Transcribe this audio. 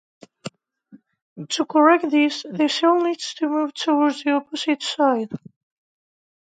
To correct this the sail needs to move towards the opposite side.